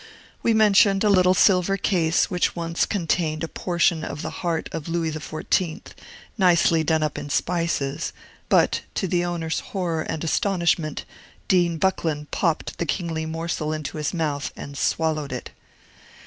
We mentioned a little silver case which once contained a portion of the heart of Louis XIV. nicely done up in spices, but, to the owner's horror and astonishment, Dean Buckland popped the kingly morsel into his mouth, and swallowed it.